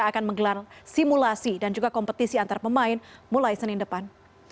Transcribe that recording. akan menggelar simulasi dan juga kompetisi antar pemain mulai senin depan